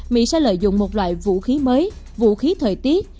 mỹ sẽ lợi dụng một loại vũ khí mới vũ khí thời tiết